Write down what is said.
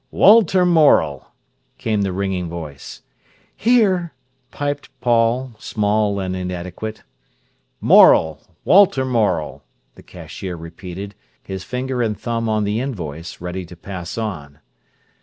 "Walter Morel!" came the ringing voice. "Here!" piped Paul, small and inadequate. "Morel—Walter Morel!" the cashier repeated, his finger and thumb on the invoice, ready to pass on.